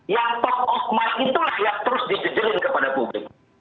yang top of mind itulah yang terus dijejelin kepada publik